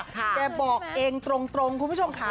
แกบอกเองตรงคุณผู้ชมค่ะ